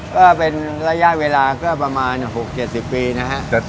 ก็เป็นระยะเวลาก็ประมาณ๖๗๐ปีนะฮะ